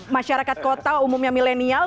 masyarakat kota umumnya milenial